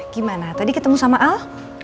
gimana tadi ketemu sama al